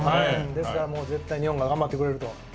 ですからもう絶対日本が頑張ってくれると。